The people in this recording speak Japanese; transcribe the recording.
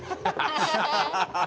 ハハハハ！